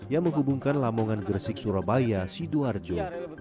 yang menghubungkan lamongan gresik surabaya sidoarjo